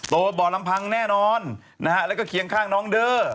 โตบ่อลำพังแน่นอนและเคียงข้างน้องเด้อ